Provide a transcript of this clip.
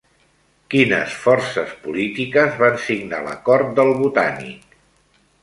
Quines forces polítiques van signar l'acord del Botànic?